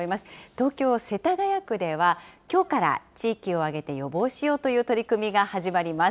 東京・世田谷区ではきょうから地域を挙げて予防しようという取り組みが始まります。